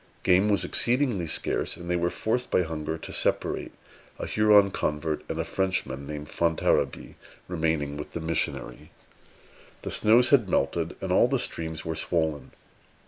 Game was exceedingly scarce, and they were forced by hunger to separate, a Huron convert and a Frenchman named Fontarabie remaining with the missionary. The snows had melted, and all the streams were swollen.